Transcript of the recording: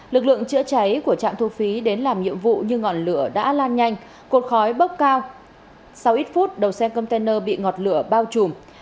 lực lượng chữa cháy của trạm thu phí đến làm nhiệm vụ nhưng ngọn lửa đã lan nhanh cột khói bốc cao sau ít phút đầu xe container bị ngọt lửa bao trùm